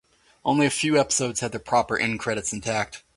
Only a few episodes had their proper end credits intact.